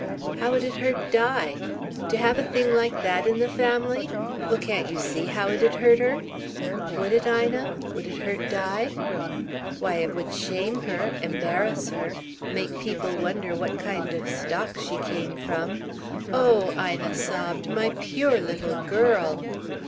"How would it hurt Di?" "To have a thing like that in the family? Well, can't you see how it'd hurt her?" "Would it, Ina? Would it hurt Di?" "Why, it would shame her embarrass her make people wonder what kind of stock she came from oh," Ina sobbed, "my pure little girl!"